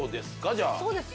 じゃあそうです